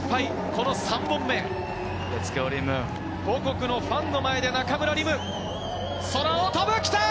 この３本目、母国のファンの前で中村輪夢、空を飛ぶ、来た！